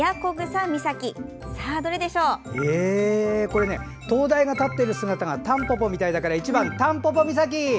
これ、灯台が立っている姿がタンポポみたいだから１番、タンポポ岬！